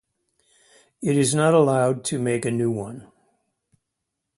It is not allowed to make a new one.